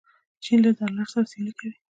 چین له ډالر سره سیالي کوي.